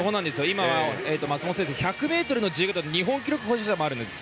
今は、松元選手１００ｍの自由形の日本記録保持者でもあるんです。